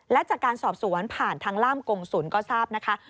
และจากการสอบสวนผ่านทางล่ามกงศูนย์ก็ทราบนะคะ